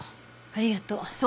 ありがとう。